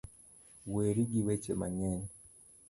Weri gi weche mang'eny